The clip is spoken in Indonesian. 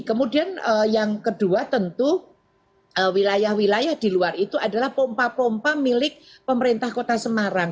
kemudian yang kedua tentu wilayah wilayah di luar itu adalah pompa pompa milik pemerintah kota semarang